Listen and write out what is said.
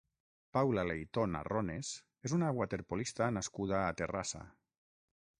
Paula Leitón Arrones és una waterpolista nascuda a Terrassa.